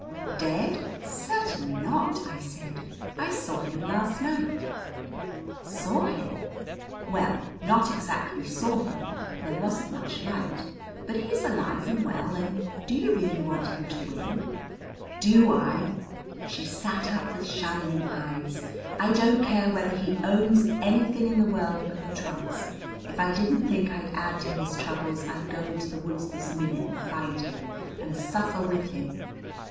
"Dead! Certainly not," I said. "I saw him last night." "Saw him!" "Well, not exactly saw him there wasn't much light. But he's alive and well, and do you really want him to win?" "Do I?" She sat up with shining eyes. "I don't care whether he owns anything in the world but the trunks. If I didn't think I'd add to his troubles I'd go into the woods this minute and find him and suffer with him."